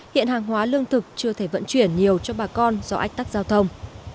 hiện hàng hóa lương thực chưa thể vận chuyển nhiều cho bà con do ách tắc giao thông